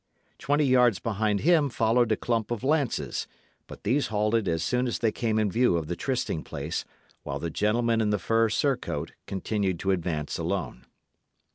Twenty yards behind him followed a clump of lances; but these halted as soon as they came in view of the trysting place, while the gentleman in the fur surcoat continued to advance alone.